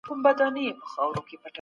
د مادي او معنوي کلتور توپیر وپېژنئ.